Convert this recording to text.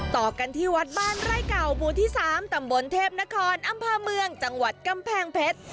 ต่อกันที่วัดบ้านไร่เก่าหมู่ที่๓ตำบลเทพนครอำเภอเมืองจังหวัดกำแพงเพชร